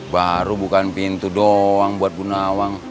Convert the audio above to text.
baru bukain pintu doang buat bu nawang